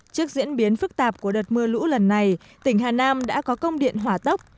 trước diễn biến phức tạp của đợt mưa lũ lần này tỉnh hà nam đã có công điện hỏa tốc